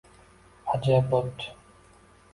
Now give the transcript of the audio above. Ajab bo'pti.